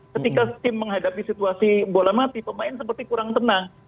ketika tim menghadapi situasi bola mati pemain seperti kurang tenang